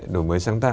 đổi mới sáng tạo